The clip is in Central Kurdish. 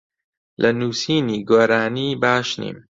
لە نووسینی گۆرانی باش نیم.